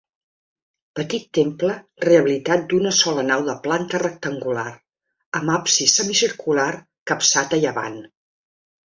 Petit temple rehabilitat d'una sola nau de planta rectangular, amb absis semicircular capçat a llevant.